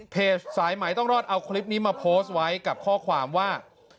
สายไหมต้องรอดเอาคลิปนี้มาโพสต์ไว้กับข้อความว่า